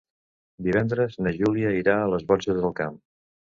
Divendres na Júlia irà a les Borges del Camp.